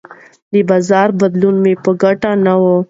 د بازار بدلون مې په ګټه نه و.